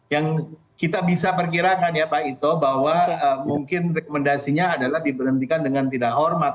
yang kita bisa perkirakan ya pak ito bahwa mungkin rekomendasinya adalah diberhentikan dengan tidak hormat